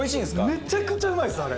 めちゃくちゃうまいですあれ。